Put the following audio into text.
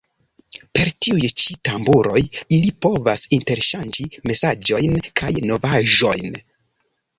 Per tiuj ĉi tamburoj ili povas interŝanĝi mesaĝojn kaj novaĵojn.